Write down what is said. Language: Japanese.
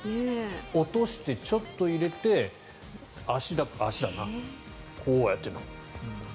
落として、ちょっと入れて足足だな、こうやって飲む。